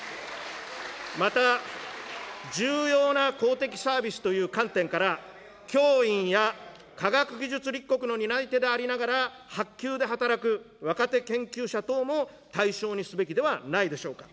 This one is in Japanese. また重要な公的サービスという観点から、教員や科学技術立国の担い手でありながら薄給で働く若手研究者等も対象にすべきではないでしょうか。